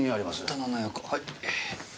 棚の横はい。